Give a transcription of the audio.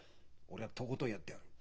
俺はとことんやってやる。